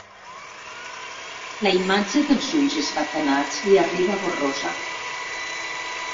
La imatge dels ulls esbatanats li arriba borrosa.